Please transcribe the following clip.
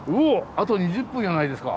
あと２０分じゃないですか。